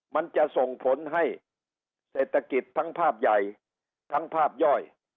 มันจะส่งผลให้เศรษฐกิจทั้งภาพใหญ่ทั้งภาพย่อย